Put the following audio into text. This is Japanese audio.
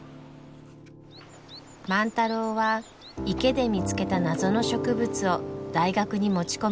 万太郎は池で見つけた謎の植物を大学に持ち込みました。